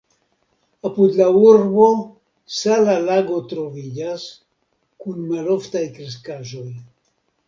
Apud la urbo sala lago troviĝas kun maloftaj kreskaĵoj.